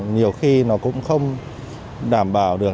nhiều khi nó cũng không đảm bảo được